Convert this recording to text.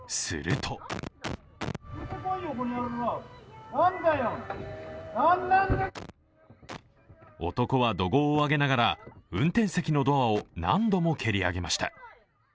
すると男は怒号を上げながら運転席のドアを何度も蹴り上げました。